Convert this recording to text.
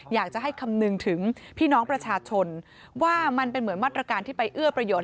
อยากจะให้คำนึงถึงพี่น้องประชาชนว่ามันเป็นเหมือนมาตรการที่ไปเอื้อประโยชน